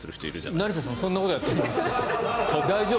成田さんそんなことやってるんですか？